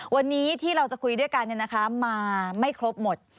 วันนี้ที่เราจะคุยด้วยกันมาไม่ครบหมด